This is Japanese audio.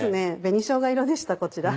紅しょうが色でしたこちら。